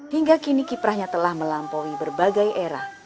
hingga kini kiprahnya telah melampaui berbagai era